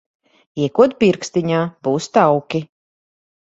Iekod pirkstiņā, būs tauki.